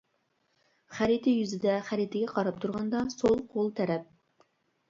خەرىتە يۈزىدە خەرىتىگە قاراپ تۇرغاندا سول قول تەرەپ.